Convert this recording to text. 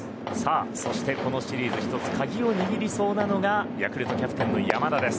そして、このシリーズ１つ鍵を握りそうなのがヤクルトのキャプテン、山田。